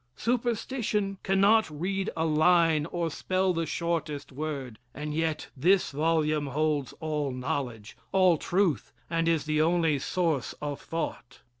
Superstition cannot read a line or spell the shortest word. And yet this volume holds all knowledge, all truth, and is the only source of thought.